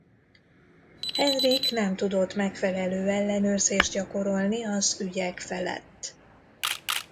Henrik nem tudott megfelelő ellenőrzést gyakorolni az ügyek felett.